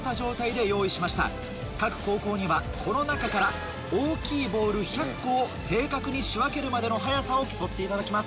各高校にはこの中から大きいボール１００個を正確に仕分けるまでの速さを競っていただきます。